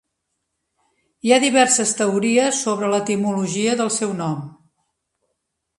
Hi ha diverses teories sobre l'etimologia del seu nom.